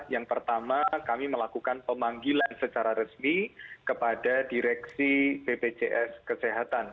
yang pertama kami melakukan pemanggilan secara resmi kepada direksi bpjs kesehatan